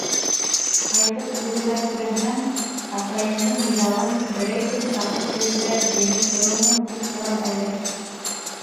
Ҡайтып күҙемә күренһәң, атайыңдың миҙалын берәй көн тағып йөрөргә биреп торормон тип торам әле.